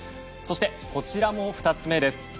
そして、こちらも２つ目です。